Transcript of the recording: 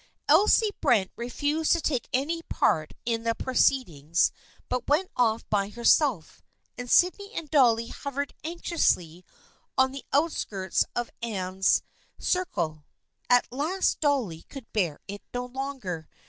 Elsie Brent refused to take any part in the proceedings but went off by herself, and Sydney and Dolly hovered anxiously on the outskirts of Anne's THE FRIENDSHIP OF ANNE 257 circle. At last Dolly could bear it no longer.